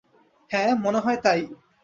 হ্যাঁ, মনে হয় তাই।